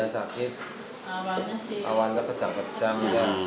sakit awalnya kejang kejang